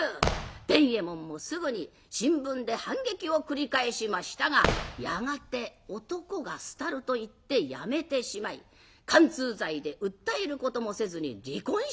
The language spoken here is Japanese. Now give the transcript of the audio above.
伝右衛門もすぐに新聞で反撃を繰り返しましたがやがて男が廃るといってやめてしまい姦通罪で訴えることもせずに離婚してやりました。